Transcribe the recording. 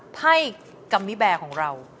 ไพ่กัมมิแบร์ของเรา